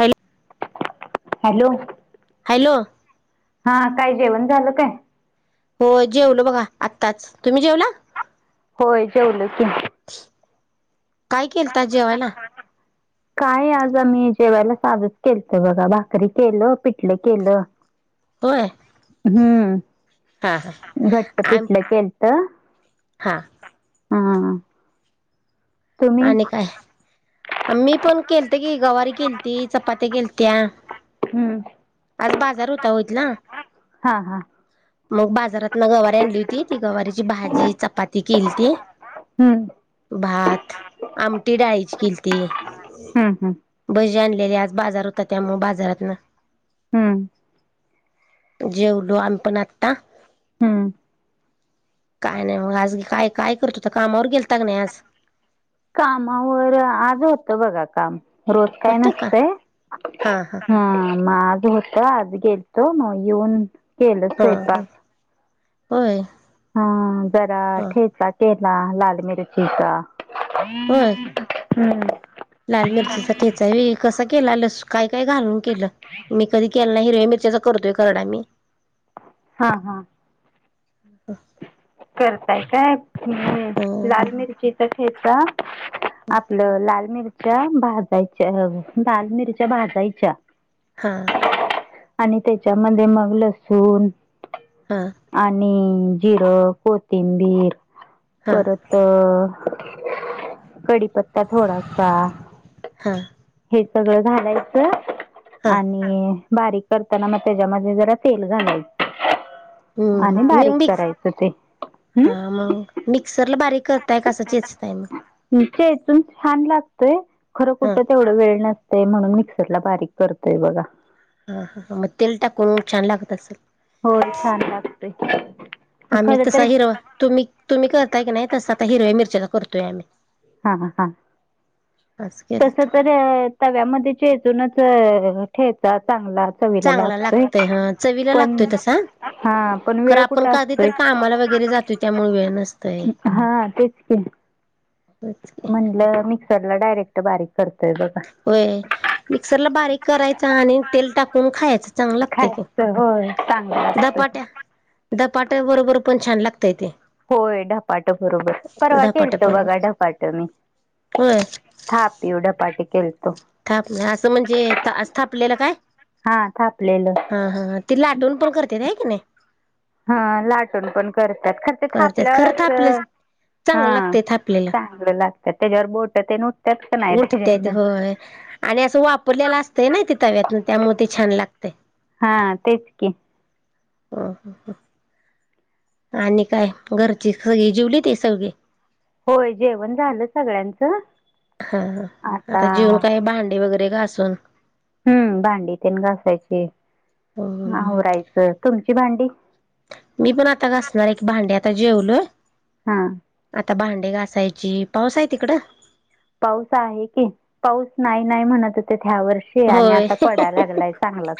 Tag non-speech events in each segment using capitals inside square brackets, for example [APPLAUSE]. Hello! Hello! Hello. हा काय जेवण झालं काय? हो जेवल बघा आत्ताच. तुम्ही जेवला? होय जेवलो की. काय केलत आज जेवायला? काय आज आम्ही जेवायला सादच केलत बघा भाकरी केलं पिटले केलं. होय हम्म हा हा घट्ट आम पिठलं केल ता. हा. हा. तुम्ही आणि काय? मी पण केलते की गवारी केलती, चपात्या केलत्या. हम्म आज बाजार होता ओ इथला. हा हा मग बाजारातन गवारी आणली होती, ती गवारीची भाजी चपाती केलती. हम्म भात आमटी डाळीची केलती. हम्म हम्म भजी आणलेले आज, बाजार होता, त्यामुळ बाजारातन. हम्म. जेवलो आम्ही पण आत्ता. हम्म. काय नाही मग आज काय? काय करत होता? कामावर गेलता का नाही आज? कामावर आज होतं बघा काम. रोज काय होतं का नसतय हा हा हम्म. म आज आज होत. आज गेलतो मग येऊन केल हा हा स्वयंपाक. होय? हा. जरा हा ठेचा केला लाल मिरचीचा. होय हम्म. लाल मिरचीचा ठेचा वे कसा केला? लस काय काय घालून केलं? मी कधी के हिरव्या मिरच्याचा करतोयराड आम्ही. हा हा. [UNINTELLIGIBLE] करताय काय? ह लाल मिरचीचा ठेचा, आपलं लाल मिरची च्या भाजायच्या लाल मिरच्या भाजायच्या हा आणि त्याच्यामध्ये मग लसूण हा आणि जिरं‌ कोथिंबीर हा परत अ कडी पत्ता थोडासा, हा हे सगळं घालायचं. हा आणि बारीक करताना मग, त्याच्यामध्ये जरा तेल घालायचं. हम्म आणि मी बारीक मिक्स करायचं ते. हा हम्म मग मिक्सरला बारीक करताय? का‌ असं चेचताय मग? चेचुन छान लागतंय, खरं हा कुठं तेवढं वेळ नस ते म्हणून मिक्सरला बारीक करतोय बघा. हा हा, मग तेल टाकून छान लागत असेल? होय छान लागतंय. आम्ही तसा हिरवा तुम्ही तुम्ही करताय की नाही, तसा आता हिरव्या मिरच्याचा करतोय आम्ही. हा ह, असं तस केलंत तर तव्यामध्ये चे चुनच अ ठेचा चांगला चवीला चांगला लागतोय, लागतय हा चवीला पण लागतोय तसा हा, पण खरं वेळ आपण कुठे कधी तर असतोय, कामाला वगैरे जातोय त्यामुळे वेळ नसतोय. हा तेच की [INAUDIBLE] म्हंटलं मिक्सरला डायरेक्ट बारीक करतोय बघा होय, मिक्सर ला बारीक करायचा आणि तेल टाकून खायच चांगलं लागते की, खायचं होय चांगलं लागतंय धपाट्या धपाट्या बरोबर पण छान लाग होय धपाटं बरोब, र परवा धपाट्या केलतो बरोबर बघा धपाटं मी. होय थापीव धपाटी थापणे, असं म्हणजे, असं थापलेलं काय? हा थापलेलं हा, हा, ती लाटुन पण करत्यात आहे की नाही? हा लाटूण पण करत्यात, खरं ते करत्यात थापल्यावर खरं थापलेलं असं चांगलं हा, लागतंय थापलेलं चांगलं लागतं त्याच्यावर बोट ते न उट उठतेेत होय, आणि असं वापरलेलं असतंय ना ते तव्यातून, त्यामुळे ते छान लागत हा, तेच की. ह, हा, ह आणि काय? घरची सगळी जिवली ते सगळी? होय, जेवण झालं सगळ्यांचं. हा, आता जीवून काय भांडे वगैरे घासून,, हम्म, भांडी तेन घासायची,, हं आवरायचं,, तुमची भांडी? मी पण आता घासणार या कि भांडी,, आता जेवलोय. हा आता भांडे घासायची, पाऊस आहे तिकडं? पाऊस आहे की, पाऊस नाही नाही म्हणत ते शि आणि होय आता पडाय लागलाय चांगलाच.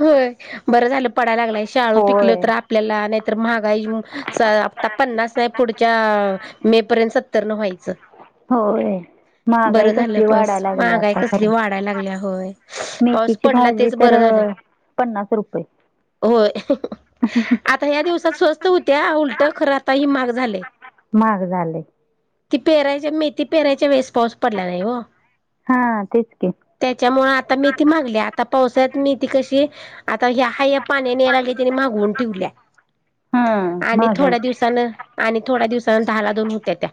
होय, बरं झालं पडायला लागलाय, शाळू पिकलं होय तर आपल्याला नाहीतर महागाई स पन्नास नाही पुढच्या मे पर्यंत सत्तर न व्हायचं. होय, महागाई बरं झालं कसली पाऊस वाढाय लागल्या महागाई आता कसली खरं. वाढायला लागल्या होय पाऊस मेथीची पडला भाजी तेच तर बरं झालं अ पन्नास रुपये. होय, आता ह्या दिवसात स्वस्त होत्या, उलट खरं आता हे महाग झालय. महाग झालंय. ती पेरायच्या, मेथी पेरायच्या वेळेस पाऊस पडला नाही वो. हा, तेच कि. त्याच्यामुळे आता मेथी महागल्या, आता पावसाळ्यात मेथी कशी आता ह्या हाय या पाण्याने याय लागल्या, त्यानी माघवून ठेवल्या. हा आणि मागून थोड्या दिवसानं, आणि थोड्या दिवसान दहा ला दोन होत्या त्या.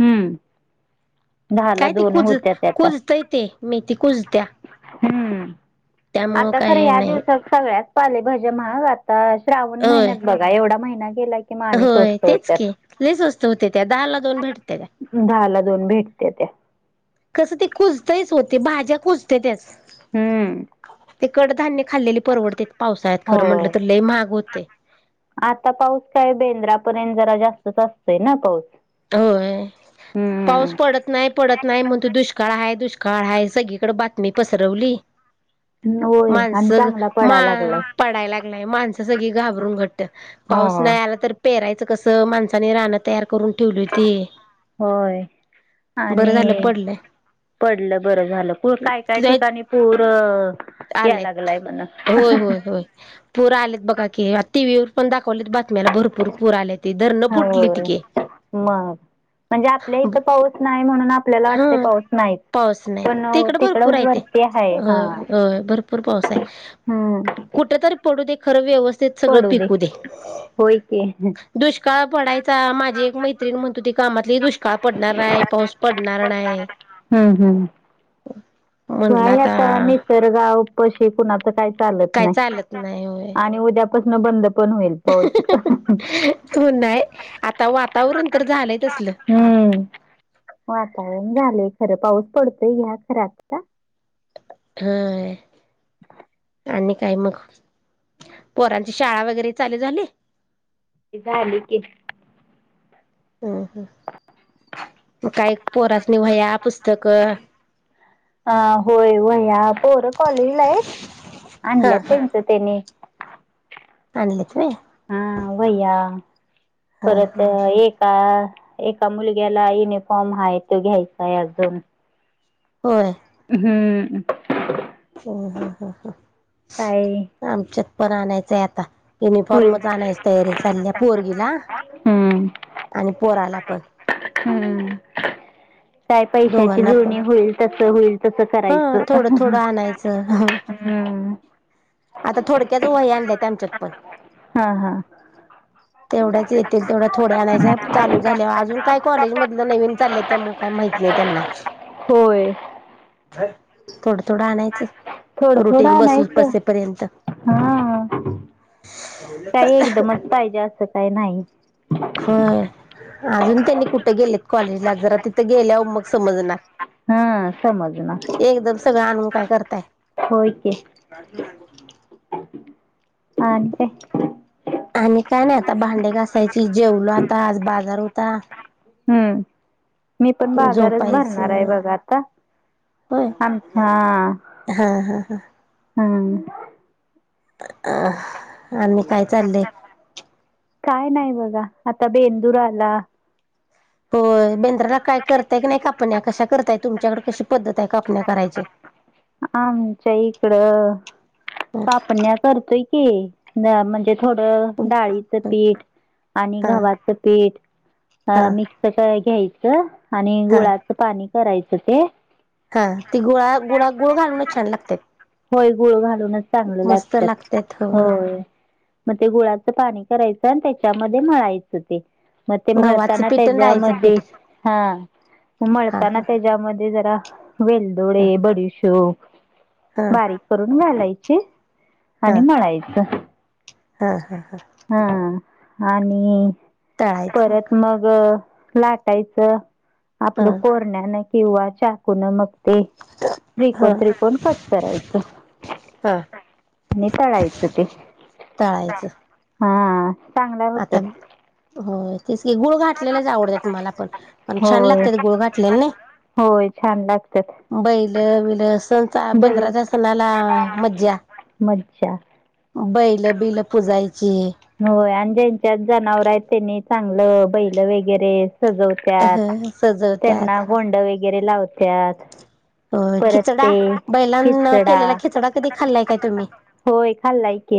हम्म, दहा ला काय ते दोन कुज होत्या त्याता. कुजतय ते मेथी कुजत्या हम्म,, त्यामुळं आता खर काही या्या नाही दिवसाात सगळ्यातऽ पालेभज्या महाग,, आता श्रावण होय महिन्यात बघा,, एवढा महिन्याऽ होय, तेच कि,, लय स्वस्त होत्या त्या,, दहा ला दोन भेटत त्याऽ दहाला भेटते त्या,, कसं ते कुजतयच हो, ते भाज्या कुजते त्यासऽ हम्म, ते कडधान्य खाल्लेली परवडत्यात. होय, आता पाऊस काय बेंद्रापर्यंत जरा जातऽ असतंय ना पाऊस. होय,, पाऊस हम्म पडत नाही, पडत नाही म्हण तू दुष्काळऽ दुष्काळ हाय, दुष्काळ हाय, सगळीकडे बातमी पसरवलीऽ [INAUDIBLE] आणि माणसं चांगला मा पडायला लागलाय पडाय लागलाय,, माणसं सगळी घाबरून घट्ट, पाऊस हो नाही आलाऽ तर पेरायचं कस,, माणसानी राणं तयार करून ठेवली हुती. होय बरं झालं आणि पडलं. पडलं बरं झालं,, पूर काय काय ठिकाणी पूरऽ आलात,, होय, होय, होय पुर आलेयऽ बघा कि,, टी व्वर पण दाखवले बातम्याला,, भरपूर पूर आले त धरणं फुटली हो तीिकेऽ मग,. म्हणजे आपल्या इथं पाऊस नाही म्हणून, आपल्याला हा वाटते पाऊस नाहीच,, पाऊस नाही पण तिकडे तिकड भरपूर आहे वरऽ ते होय,, भरपूर पाऊस आहे, हम्म कुठेतरी पडू दे खर व्यवस्थितऽ सगळ पिकू दे होय की हम्म दुष्काळ पडायचा माझी एक मै. म्हणतो ती कामातली दुष्काळ पडणार आहे पाऊस पडणार नाही.. बाय आता निसर्ग शिकून आ. काही चालत काय नाही चालत नाही होय आणि उद्यापासून बंद पण होईल पाऊस हो नाही आता वातावरण तर झालंय त असल हम्म वातावरण झालंय खरं पाऊस पडतय घ्या खर आता हा आणि काय मग पोरांची शाळा वगैरे चाल झाली झाली की हम् हम् काय पोरसणी वह्या पुस्तक अ होय वह्या पोरं कॉलेजला आहेत आणल्यात त्यांचं त्यानी आण आणलिते हा वैया परत हा. एका. एका मुलग्याला युनिफॉर्म हा तो घ्यायचा आहे अजून. होय. हम्म ह हा हा हा. काय [INAUDIBLE] पण आणायचंय आता होईल युनिफॉर्मच आणायची तयारी चालल्या पोरगीला. हम्म आणि पोराला पण. हम्म काय पैशाची दोघांना पण जोणी होईल तस होईल तस हा करायचं थोडं थोडं आणायचं हम्म आता थोडक्याच वही आणल्यात आमच्यात पण हा हा तेवढ्याच येतील तेव्या थोड्या आणायच्या चालू झाल्या अजून काय कॉलेजमधलं नवीन चाल त्यामु काय माहत नाही त्यांना होय थोडं थोडं थोडं आणायचं थोडं रुटीन बसून आणायचं बसे पर्यंत हा. काही एकदमच पाहिजे असं काही नाही. हो अजून त्यांनी कुठे गेलेत कॉलेजला जरा तिथं गेल्या मग समजना हा समजणार एकदम सगळं आणून काय करताय होय की हन काय आणि काय नाही आता भांडे घासायची जेवलो आता आज बाजार होता हम्म मी पण बाजारच भरणार आहे झोपायचं बघा आता होय अ्छा हा हा हम्म अ आही काय चाललंय काय नाही बघा आता बेंदूर आला होय बेंद्राला काय करताय की नाही कापण या कशा करतायेत तुमच्याकड कशी पद्धत आहे कापण्या करायची आमच्या इकडं कापण्या करतोय क म्हणजे थोडं डाळीचं पीठ आणि हा गव्हाचं पीठ हा अ मिक्स घ्यायचं आणि हा गुळाचं पाणी करायचं ते हा ती गुळा गुळा गुळ घालून छान लागतात होय गुळ घालूनच चांगलं लागतात होय मग ते गुळाचं पाणी करायचं आणि त्याच्यामध्ये मळायचं ते मग ते गव्हाचं म्हणताना पीठ आणि डाळीचं त्याच्यामध्ये पीठ हा हा उमळताना हा त्याच्यामध्येध्ये जरा वेलदोडे हा बडीशोप हा बारीक करून घालायचे आणि मळायच हा हा हा हा आणि परत मग लाटायचं हा आपलं कोरण्यानं किंवा चकुन चुकून मग ते हा त्रिकोण त्रिकोण कट करायच हा आणि ताळायचं ते तळायचं हा चांगला आता होतात हो तेच की गुळ घातलेलाच आवडतात मला पण पण छान होय लागत गुळ घातल्याल होय छान लागतात नाही बैल बिल सणचा बैल बेंद्राच्या सणाला मज्जा मज्जा बैल बिल पुजायच होय आणि ज्यांच्यात जनावर आहेत त्यांनी चांगलं बैल वगैरे अ सजवत्यात सजवत्यात त्यांना गोंड वगैरे लावतत हो खिचडा बैलांना खिचडा केलेला खिचडा कधी खाल्लाय काय तुम्ही होय खाल्लाय की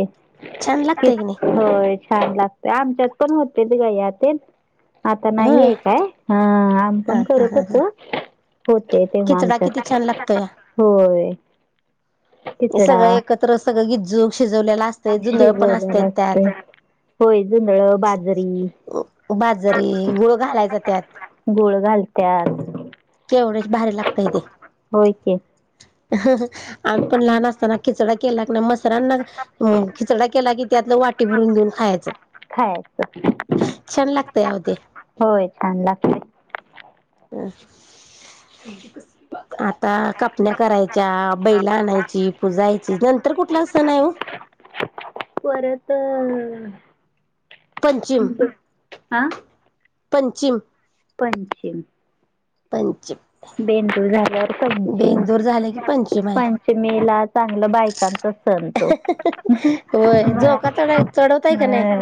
छान लागतय की नाही होय छान लागतेय आमच्यात पण होते ते गयातेंन आता होय नाहीय काय ह हा पण हा करत हा हा होते तेव्हा खिचडा किती छान आमच्यात लागतोय होय सगळं खिचडा एकत्र सगळं गिजूग शिजवलेलं असत जुंधळ पण असत्यात ते त्यात होय जुंधल बाजरी बाजरी गुळ घालायचा त्यात गोळ घालत्या तेवढ च भारी लागताये होय की आम्ही पण लहान असताना खिचडा केला ना मस्त सरांना खिचडा केला की त्यातलं वाटी भरून देऊन खायचं खायचं. छान लागतय अहो ते होय छान लागतय. ह आता कापण्या करायच्या बैला आणायची पुजायची नंतर कुठला सण आहे हो परत हा पंचीम पंचिम पंचीम बेंदूर झाल्यावर पंचीम झाले की पंचिम आहे पंचमीला चांगलं बायकांचा सण तो होय ब झोका चढाय चढवताय का नाही हम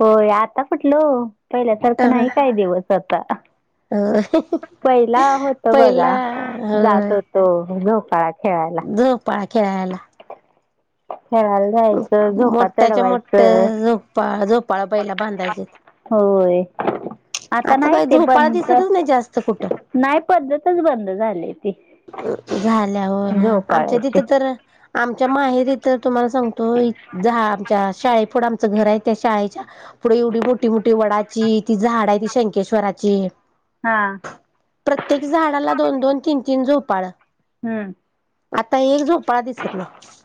हो आता कुटल ओ पहिल्यासारखं नाही काय दिवस आता अ पहिला होत पहिला बघा जात होय होतो झोपाळा खेळायला झोपाळा खेळायला खेळायला जायचं झोका मोठ्याच्या मोठ चढवायचं झोपाळ झोपाळा पहिला बांधायचे होय आता नाही काही ते झोपाळा दिसतच नाही जास्त कुठं पणंत नाही पद्धतच बंद झाली ती झाल्या हो आमच्या झोपाळ्याची तिथं तर आमच्या माहेरी तिथं तुम्हाला सांगतो झा आमच्या शाळे पुढ आमच घर आहे त्या शाळेच्या पुढे एवढी मोठी मोठी वडाची ती झाड आहे ती शंकेश्वर हा प्रत्येक झाडाला दोन दोन तीन तीन झोपाळ हम्म आता एक झोपाळा दिसत नाही